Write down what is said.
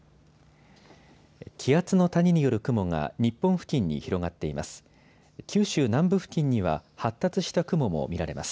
気圧の谷による雲が日本付近に広がっています。